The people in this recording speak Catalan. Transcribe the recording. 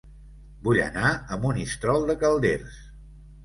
Vull anar a Monistrol de Calders